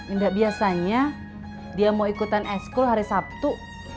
indah biasanya dia mau ikutan eskol hari sabtu